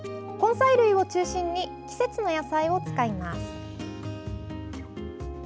根菜類を中心に季節の野菜を使います。